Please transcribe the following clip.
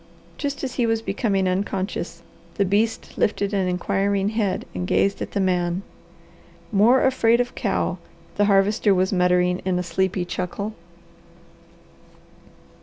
Just as he was becoming unconscious the beast lifted an inquiring head and gazed at the man. "More 'fraid of cow," the Harvester was muttering in a sleepy chuckle.